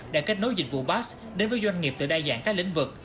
đã kết nối dịch vụ bas đến với doanh nghiệp từ đa dạng các lĩnh vực